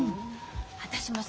私もさ